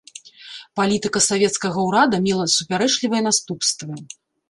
Палітыка савецкага ўрада мела супярэчлівыя наступствы.